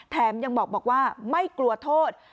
แถมยังบอกว่าไม่กลัวโทษ